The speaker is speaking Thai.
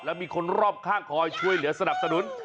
และมีคนรอบข้างคอยช่วยเหลือสนับสนุน